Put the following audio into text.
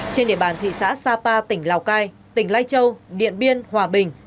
trên địa bàn thị xã sapa tỉnh lào cai tỉnh lai châu điện biên hòa bình